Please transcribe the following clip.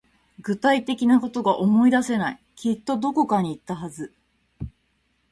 具体的なことが思い出せない。きっとどこかに行ったはず。